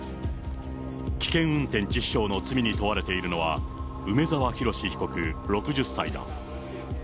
危険運転致死傷の罪に問われているのは、梅沢洋被告６０歳だ。